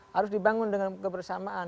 harus dibangun dengan kebersamaan